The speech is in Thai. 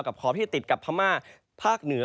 ขอบที่ติดกับพม่าภาคเหนือ